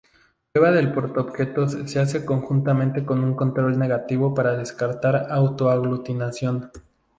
Prueba del portaobjetos se hace conjuntamente con un control negativo para descartar auto aglutinación.